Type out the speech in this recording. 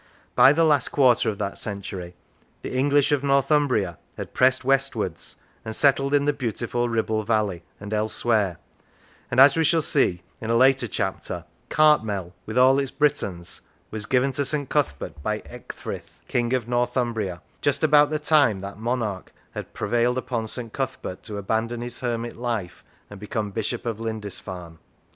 By the last quarter of that century the English of Northumbria had pressed westwards and settled in the beautiful Kibble valley and elsewhere, and as we shall see in a later chapter, Cartmel, " with all its Britons," was given to St. Cuthbert by Ecgfrith, King of Northumbria, just about the time that that monarch had prevailed upon St. Cuthbert to abandon his hermit life and become Bishop of Lindisfarne.